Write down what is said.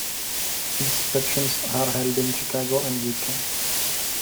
Its sessions are held in Chicago and Wheaton.